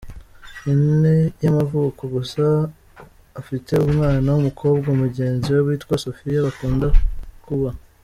ine yamavuko gusa afite umwana wumukobwa mugenzi we witwa Sophia bakunda kuba.